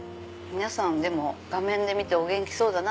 皆さん画面で見てお元気そうだな